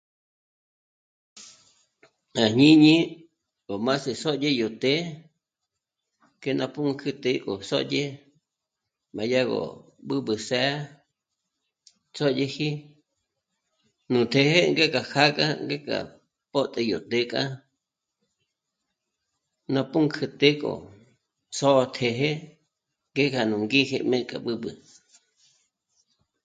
À jñǐñi gó mázi sǒdye yó të́'ë que ná pǔnkü të́'ë ó sǒdye má yá gó b'ǚb'ü së̌'ë tsjóyeji nú të́'ë ngéka kjá gá ngéka pǒte yó të́'ë k'á ná pǔnk'ü të́'ë k'o sö̌teje ngéka nú ngĩ́jeme kjá b'ǚb'ü